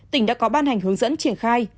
tỉnh đã có ban hành hướng dẫn triển khai